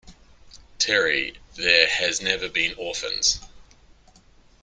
Terry, there has never been orphans!